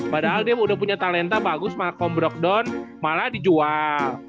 padahal dia udah punya talenta bagus makam brockdown malah dijual